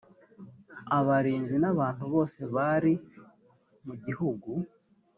abarinzi n abantu bose bari mu gihugu